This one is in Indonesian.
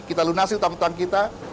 kita lunasi utang utang kita